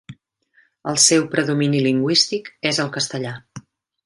El seu predomini lingüístic és el castellà.